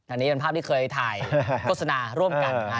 อันนี้เป็นภาพที่เคยถ่ายโฆษณาร่วมกัน